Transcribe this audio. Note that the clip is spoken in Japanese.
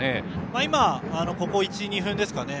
今、ここ１２分ですかね。